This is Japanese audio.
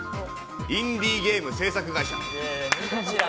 インディーゲーム制作会社。